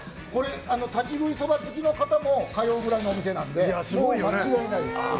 立ち食いそば好きの方も通うくらいのお店なのでもう間違いないです。